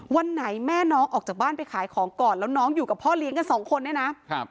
วันไหนแม่น้องออกจากบ้านไปขายของก่อนแล้วน้องอยู่กับพ่อเลี้ยงกันสองคนเนี่ยนะครับ